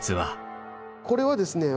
これはですね